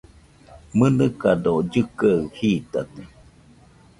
¿Mɨnɨkado llɨkɨaɨ jitate?